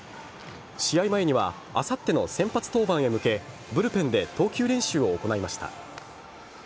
試合前にはあさっての先発登板へ向けブルペンで投球練習を行いました。